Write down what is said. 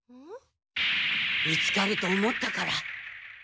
見つかると思ったから。